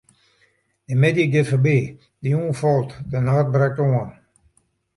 De middei giet foarby, de jûn falt, de nacht brekt oan.